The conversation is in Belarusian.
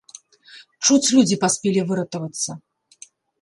Чуць людзі паспелі выратавацца.